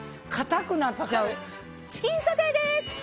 チキンソテーです！